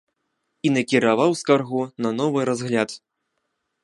І накіраваў скаргу на новы разгляд.